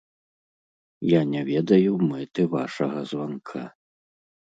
Я не ведаю мэты вашага званка.